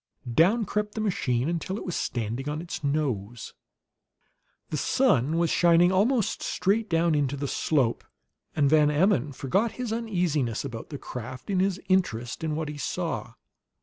Down crept the machine until it was "standing on its nose." The sun was shining almost straight down into the slope, and Van Emmon forgot his uneasiness about the craft in his interest in what he saw.